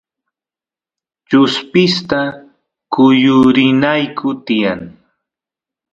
chuspista kuyurinayku tiyan